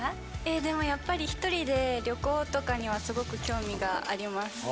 でも、やっぱり一人で旅行とかはすごく興味があります。